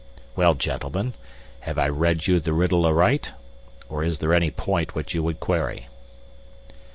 Well, gentlemen, have I read you the riddle aright, or is there any point which you would query?"